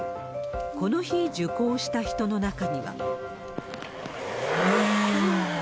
この日、受講した人の中には。